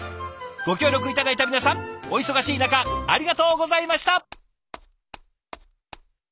ご協力頂いた皆さんお忙しい中ありがとうございました！